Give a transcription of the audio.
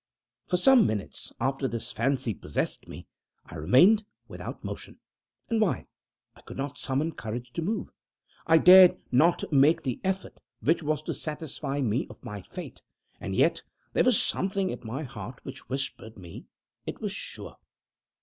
For some minutes after this fancy possessed me, I remained without motion. And why? I could not summon courage to move. I dared not make the effort which was to satisfy me of my fate and yet there was something at my heart which whispered me it was sure.